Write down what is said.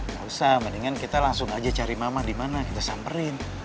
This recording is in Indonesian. nggak usah mendingan kita langsung aja cari mama di mana kita samperin